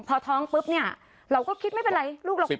พอท้องปุ๊บเนี่ยเราก็คิดไม่เป็นไรลูกเรา